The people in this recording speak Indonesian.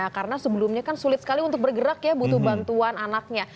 karena sebelumnya kan sulit sekali untuk bergerak ya butuh bantuan anaknya